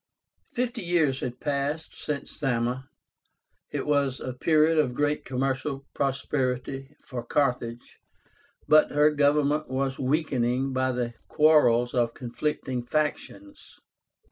Fifty years had passed since Zama. It was a period of great commercial prosperity for Carthage, but her government was weakened by the quarrels of conflicting factions.